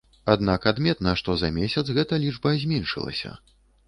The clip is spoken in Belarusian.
Аднак адметна, што за месяц гэта лічба зменшылася.